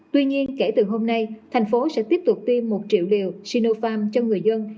tuy nhiên kể từ hôm nay thành phố sẽ tiếp tục tiêm một triệu liều sinopharm cho người dân